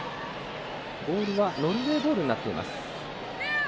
ボールはノルウェーボールになっています。